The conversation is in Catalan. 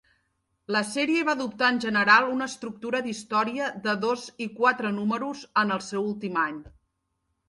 La sèrie va adoptar en general una estructura d'història de dos i quatre números en el seu últim any.